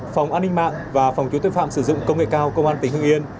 phòng an ninh mạng và phòng cứu tội phạm sử dụng công nghệ cao công an tỉnh hương yên